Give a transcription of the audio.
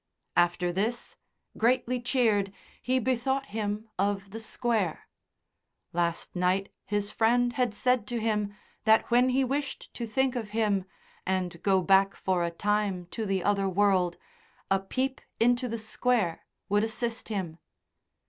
After this, greatly cheered, he bethought him of the Square. Last night his friend had said to him that when he wished to think of him, and go back for a time to the other world, a peep into the Square would assist him.